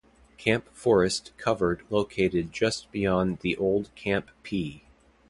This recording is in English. Camp Forrest covered located just beyond the old Camp Peay.